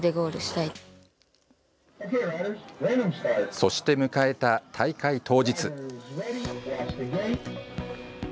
そして迎えた大会当日。